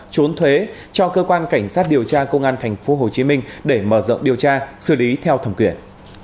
trốn thuế cho cơ quan cảnh sát điều tra công an tp hcm để mở rộng điều tra xử lý theo thẩm quyền